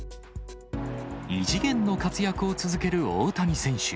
異次元の活躍を続ける大谷選手。